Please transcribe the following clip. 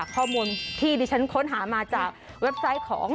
ข้อมูลที่ดิฉันค้นหามาจากเว็บไซต์ของ